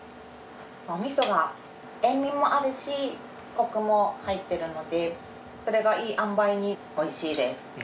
お味噌が塩味もあるしコクも入ってるのでそれがいいあんばいに美味しいです。